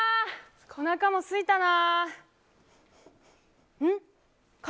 おなかもすいたな。